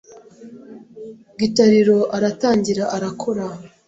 Gitariro aratangira arakora